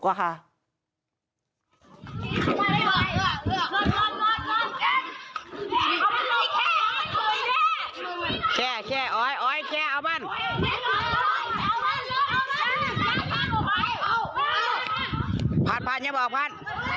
ผัดอย่าบอกพัน